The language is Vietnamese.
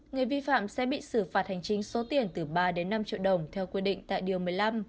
người vi phạm sẽ bị xử phạt hành chính số tiền từ ba đến năm triệu đồng theo quy định tại điều một mươi năm